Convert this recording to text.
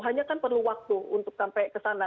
hanya kan perlu waktu untuk sampai ke sana